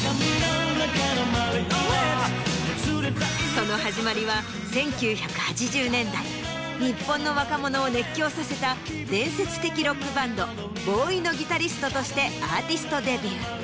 その始まりは１９８０年代日本の若者を熱狂させた伝説的ロックバンド ＢＯφＷＹ のギタリストとしてアーティストデビュー。